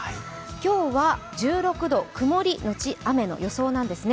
今日は１６度、曇りのち雨の予想なんですね。